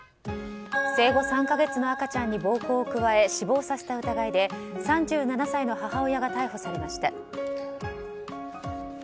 生後３か月の赤ちゃんに暴行を加え死亡させた疑いで３７歳の母親が逮捕されました。